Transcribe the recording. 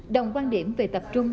đồng quan điểm về tập trung